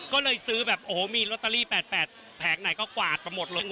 ก็เลยซื้อแบบโอ้โหมีลอตเตอรี่๘๘แผงไหนก็กวาดไปหมดเลย